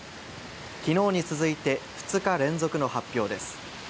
昨日に続いて２日連続の発表です。